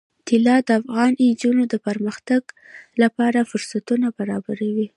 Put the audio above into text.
طلا د افغان نجونو د پرمختګ لپاره فرصتونه برابروي.